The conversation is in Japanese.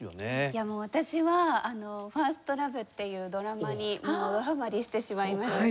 私は『ＦｉｒｓｔＬｏｖｅ』っていうドラマにどハマりしてしまいまして。